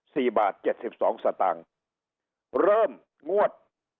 สี่บาทเจ็ดสิบสองสตางค์เริ่มงวด